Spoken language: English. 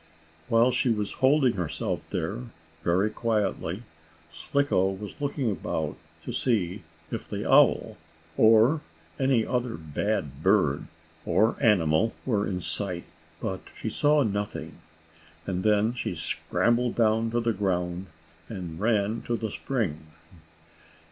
While she was holding herself there, very quietly, Slicko was looking about to see if the owl, or any other bad bird, or animal, were in sight. But she saw nothing, and then she scrambled down to the ground, and ran to the spring.